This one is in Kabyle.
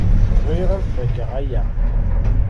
Bɣiɣ ad fakeɣ aya.